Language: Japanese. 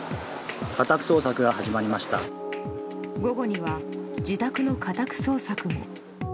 午後には自宅の家宅捜索も。